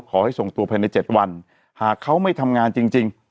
ขอให้ส่งตัวไปในเจ็ดวันหากเขาไม่ทำงานจริงจริง